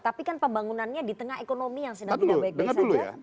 tapi kan pembangunannya di tengah ekonomi yang sedang tidak baik baik saja